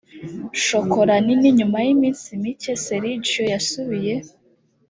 shokola nini nyuma y iminsi mike sergio yasubiye